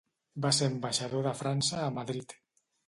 Va ser ambaixador de França a Madrid.